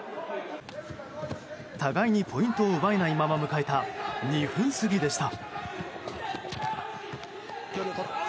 互いにポイントを奪えないまま迎えた２分過ぎでした。